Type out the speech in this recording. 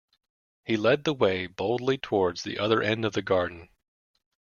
He led the way boldly towards the other end of the garden.